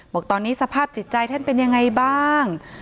บอกตอนนี้สภาพจิตใจท่านเป็นยังไงบ้าง